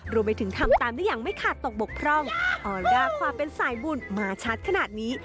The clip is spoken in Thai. รวมไปถึงทำตามได้อย่างไม่ขาดตกบกพร่องออร่าความเป็นสายบุญมาชัดขนาดนี้